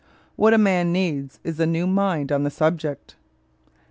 What a man needs is a new mind on the subject.